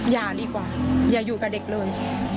อย่าดีกว่าอย่าอยู่กับเด็กเลย